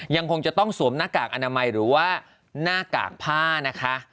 ยังคงจะต้องสวมหน้ากากอนามัยหรือว่าหน้ากากผ้านะคะ